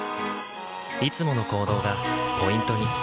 いつもの行動がポイントに。